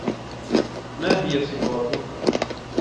ما هي صفاته؟